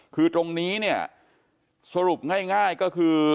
คือตรงนี้เนี่ยสรุปง่ายก็คือ